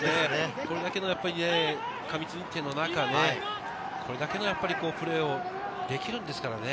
これだけの過密日程の中で、これだけのプレーをできるんですからね。